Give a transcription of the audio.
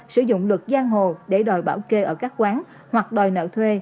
sử dụng luật gian hồ để đòi bảo kê ở các quán hoặc đòi nợ thuê